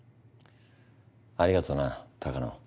ありがとな鷹野。